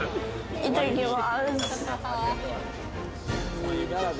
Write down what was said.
いただきます。